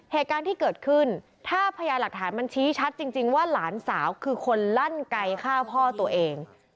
เหตุการณ์ที่เกิดขึ้นถ้าพญาหลักฐานมันชี้ชัดจริงว่าหลานสาวคือคนลั่นไกลฆ่าพ่อตัวเอง